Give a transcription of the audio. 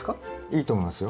いいと思います。